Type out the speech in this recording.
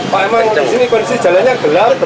pak emang dari sini kondisi jalannya gelap